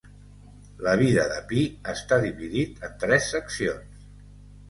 La vida de Pi, està dividit en tres seccions.